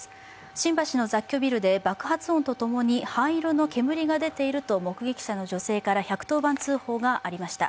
新橋の雑居ビルで爆発音とともに灰色の煙が出ていると目撃者の女性から１１０番通報がありました。